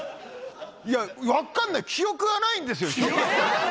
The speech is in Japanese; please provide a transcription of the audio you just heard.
いや、分かんない、記憶がないんですよ。